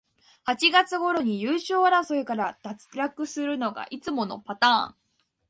八月ごろに優勝争いから脱落するのがいつものパターン